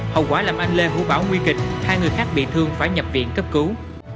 hậu quả làm anh lê hữu bảo nguy kịch hai người khác bị thương phải nhập viện cấp cứu